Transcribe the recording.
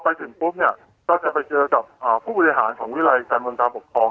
พอไปถึงปุ๊บเนี่ยก็จะไปเจอกับผู้วิทยาลัยของวิทยาลัยการบนตามปกครอง